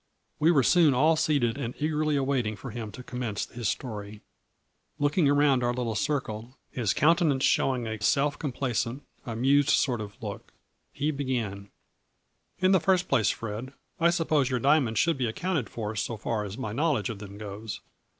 We were soon all seated and eagerly waiting for him to commence his story. Looking around our little circle his counten ance showing a self complacent, amused sort of look, he began : "In the first place, Fred, I suppose your dia monds should be accounted for, so far as my knowledge of them goes.